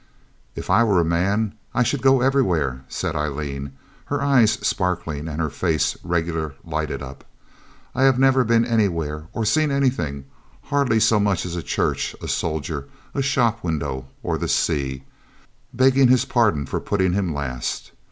'If I were a man I should go everywhere,' said Aileen, her eyes sparkling and her face regular lighted up. 'I have never been anywhere or seen anything, hardly so much as a church, a soldier, a shop window, or the sea, begging his pardon for putting him last.